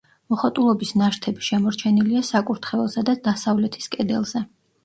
მოხატულობის ნაშთები შემორჩენილია საკურთხეველსა და დასავლეთის კედელზე.